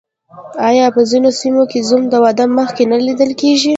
آیا په ځینو سیمو کې زوم د واده مخکې نه لیدل کیږي؟